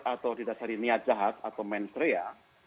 atau didasari niat jahat atau mensrea